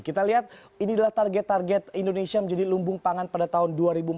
kita lihat ini adalah target target indonesia menjadi lumbung pangan pada tahun dua ribu empat puluh